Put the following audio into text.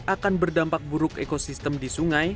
akan berdampak buruk ekosistem di sungai